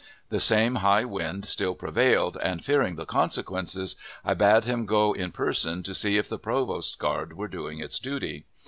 The same high wind still prevailed, and, fearing the consequences, I bade him go in person to see if the provost guard were doing its duty.